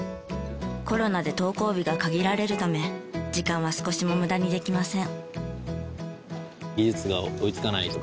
コロナで登校日が限られるため時間は少しも無駄にできません。